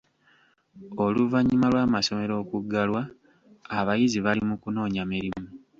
Oluvannyuma lw'amasomero okuggalwa, abayizi bali mu kunoonya mirimu.